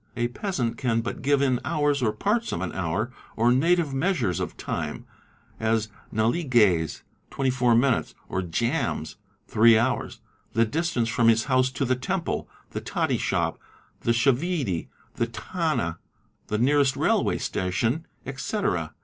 A peasant can but give in jours or parts of an hour or native measures of time, as naligais (24 M eee Petaan Wes aR e entree Bsintec), or jams (3 hours), the distance from his house to the temple, the toddy shop, the chavidi, the tannah, the nearest railway station, etc., ..